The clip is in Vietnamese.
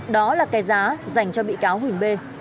đó là cái giá dành cho bị cáo huỳnh bê